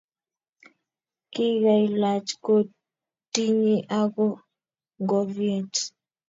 Kigailach kotinyi ago ngoviet--